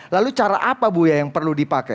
lalu cara apa bu ya yang perlu dipakai